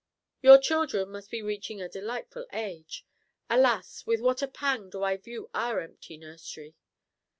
Your children must be reaching a delightful age. Alas! with what a pang do I view our empty nursery!